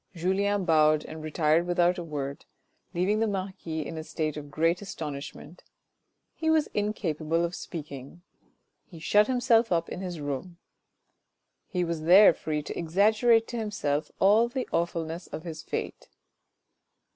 Julien bowed and retired without a word, leaving the marquis in a state of great astonishment. He was incapable of speaking. He shut himself up in his room. He was there free to exaggerate to himself all the awfulness of his fate.